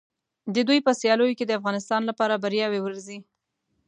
د دوی په سیالیو کې د افغانستان لپاره بریاوې ورځي.